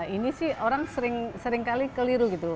ini sih orang seringkali keliru gitu